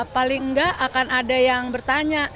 paling nggak akan ada yang bertanya